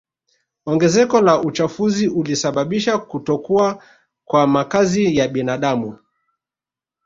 Ongezeko la uchafuzi ulisababisha kutokuwa kwa makazi ya binadamu